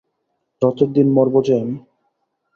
রথের দিন মরব যে আমি।